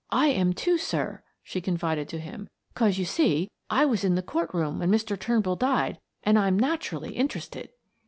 "I am too, sir," she confided to him. "Cause you see I was in the court room when Mr. Turnbull died and I'm naturally interested."